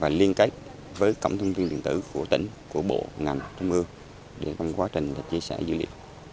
và liên kết với cộng thông tiên viện tử của tỉnh của bộ ngành công ương để trong quá trình chia sẻ dữ liệu